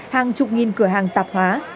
hàng chục nghìn cửa hàng tạp hóa